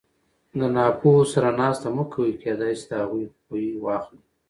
د ناپوهو سره ناسته مه کوئ! کېداى سي د هغو خوى واخلى!